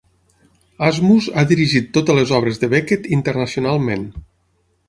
Asmus ha dirigit totes les obres de Beckett internacionalment.